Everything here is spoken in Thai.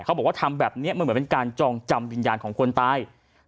เขาบอกว่าทำแบบนี้มันเหมือนเป็นการจองจำวิญญาณของคนตาย